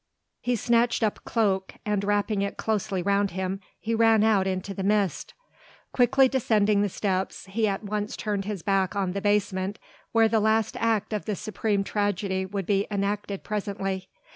He snatched up a cloak and wrapping it closely round him, he ran out into the mist. Quickly descending the steps, he at once turned his back on the basement where the last act of the supreme tragedy would be enacted presently.